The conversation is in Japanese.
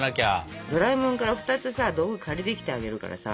ドラえもんから２つさ道具借りてきてあげるからさ。